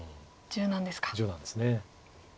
柔軟です。